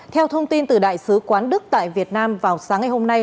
theo thông tin từ đại sứ quán đức tại việt nam vào sáng ngày hôm nay